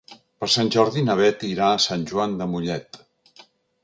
Per Sant Jordi na Beth irà a Sant Joan de Mollet.